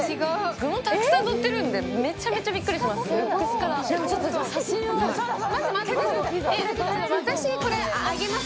具もたくさんのってるのでめちゃくちゃビックリします。